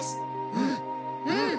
うんうん！